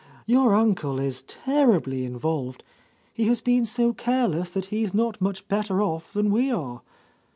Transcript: Your uncle is ter ribly involved. He has been so careless that he's not much better off than we are.